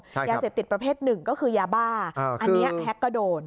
ยาเสพติดประเภทหนึ่งก็คือยาบ้าอันนี้แฮกก็โดน